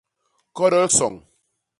Kodol soñ.